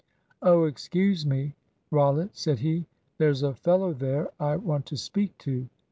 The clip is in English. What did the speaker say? "Oh, excuse me, Rollitt," said he, "there's a fellow there I want to speak to.